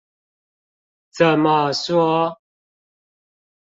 怎麼說？